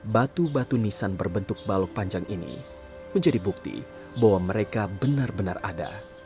batu batu nisan berbentuk balok panjang ini menjadi bukti bahwa mereka benar benar ada